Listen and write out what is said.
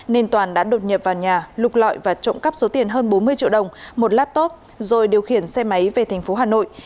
nên toàn đã đột nhập vào nhà lục lọi và trộm cắp số tiền hơn bốn mươi triệu đồng một laptop rồi điều khiển xe máy về thành phố hà nội